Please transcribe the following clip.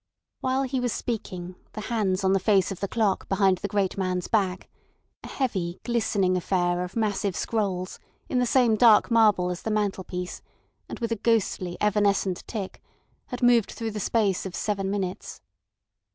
While he was speaking the hands on the face of the clock behind the great man's back—a heavy, glistening affair of massive scrolls in the same dark marble as the mantelpiece, and with a ghostly, evanescent tick—had moved through the space of seven minutes.